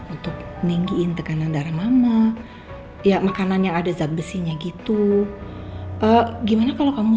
untuk ninggiin tekanan darah mama ya makanan yang ada zat besinya gitu gimana kalau kamu